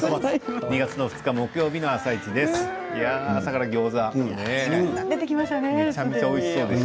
２月２日木曜日の「あさイチ」です。